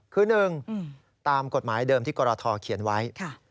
คือ๑ตามกฎหมายเดิมที่กรทเขียนไว้